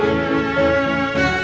ya udah mbak